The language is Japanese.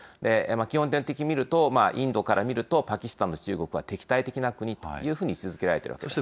基本的に見ると、インドから見ると、パキスタンと中国は敵対的な国というふうに位置づけられているわけです。